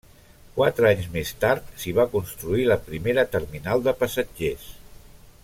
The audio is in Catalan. Quatre anys més tard s'hi va construir la primera terminal de passatgers.